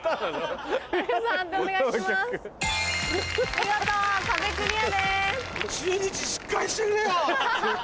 見事壁クリアです。